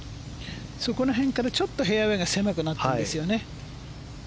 そこら辺からちょっとフェアウェーが狭くなっているんですよね。